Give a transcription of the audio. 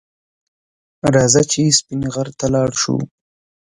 راځه چې سپین غر ته لاړ شو